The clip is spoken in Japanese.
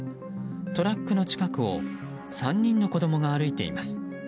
トラックの近くを３人の子供が歩いています。